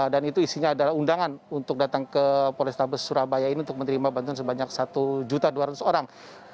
dan itu isinya adalah undangan untuk datang ke polistabes surabaya ini untuk menerima bantuan sebanyak satu dua ratus orang